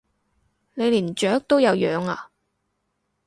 你連雀都有養啊？